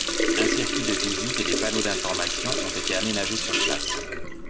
Un circuit de visite et des panneaux d’information ont été aménagés sur place.